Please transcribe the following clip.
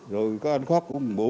rồi có anh khóc cũng một buổi